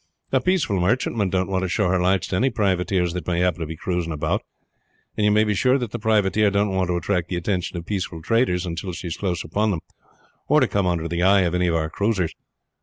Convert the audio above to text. A peaceful merchantman don't want to show her lights to any privateers that may happen to be cruising about, and you may be sure that the privateer don't want to attract the attention of peaceful traders until she is close upon them, or to come under the eye of any of our cruisers.